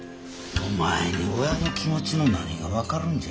お前に親の気持ちの何が分かるんじゃ。